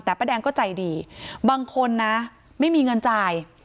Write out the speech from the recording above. แต่ป้าแดงก็ใจดีบางคนนะไม่มีเงินจ่าย